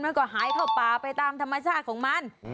มันก็หายเข้าป่าไปตามธรรมชาติของมัน